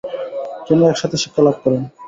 তিনি একসাথে শিক্ষালাভ করেন।